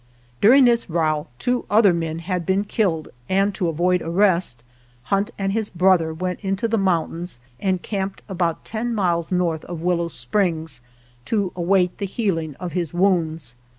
During this row two other men had been killed, and, to avoid arrest, Hunt and his brother went into the mountains and camped about ten miles north of Willow Springs to await the healing of his wounds.